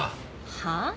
はあ？